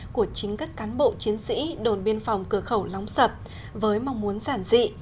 của chính các cán bộ chiến sĩ đồn biên phòng cửa khẩu lóng sập với mong muốn giản dị